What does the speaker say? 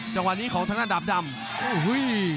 จังหวะนี้ของทางด้านดาบดำโอ้โห